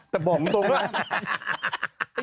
แต่บอกมันตรงไหน